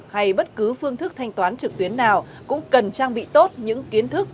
hay bất cứ phương thức thanh toán trực tuyến nào cũng cần trang bị tốt những kiến thức